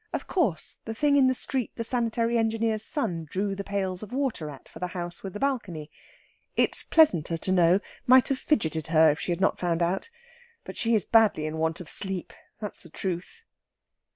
Of course, the thing in the street the sanitary engineer's son drew the pails of water at for the house with the balcony. It is pleasanter to know; might have fidgeted her if she had not found out. But she is badly in want of sleep, that's the truth!